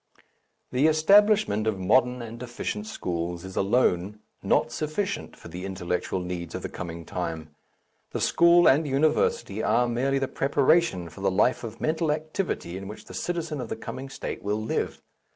The establishment of modern and efficient schools is alone not sufficient for the intellectual needs of the coming time. The school and university are merely the preparation for the life of mental activity in which the citizen of the coming state will live.